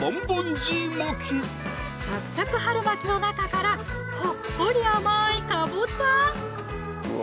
サクサク春巻きの中からほっこり甘いかぼちゃ！